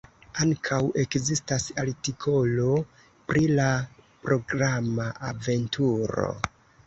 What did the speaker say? Ankaŭ ekzistas artikolo pri la programa Aventuro".